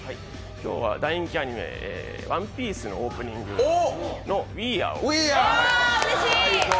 今日は大人気アニメ「ＯＮＥＰＩＥＣＥ」のオープニングの「ウィーアー！」を。